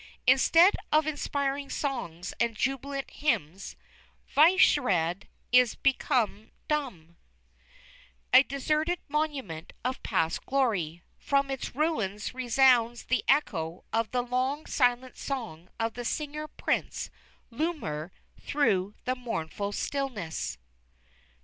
Instead of inspiring songs and jubilant hymns, Vysehrad is become dumb, a deserted monument of past glory; from its ruins resounds the echo of the long silent song of the singer prince Lumir through the mournful stillness!"